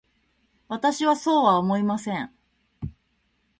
私はそうは思いません。